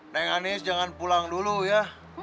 neng anies jangan pulang dulu ya